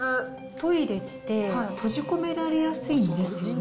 トイレって閉じ込められやすいんですよね。